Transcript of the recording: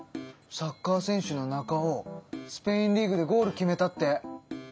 サッカー選手のナカオスペインリーグでゴール決めたって！